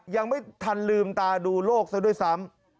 ยังไม่ทันลืมตาดูโลกซะด้วยซ้ำ